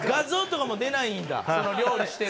その料理してる。